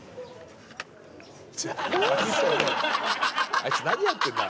あいつ何やってんだ。